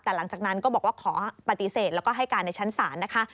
แต่หลังจากนั้นก็บอกว่าขอปฏิเสธแล้วก็ให้การในชั้นศาลนะคะ